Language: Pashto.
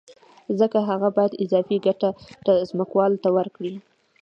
ځکه هغه باید اضافي ګټه ځمکوال ته ورکړي